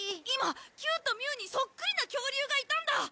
今キューとミューにそっくりな恐竜がいたんだ！